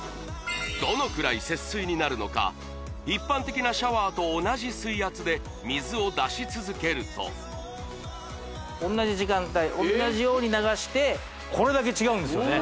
どのくらい節水になるのか一般的なシャワーと同じ水圧で水を出し続けると同じ時間帯同じように流してこれだけ違うんですよね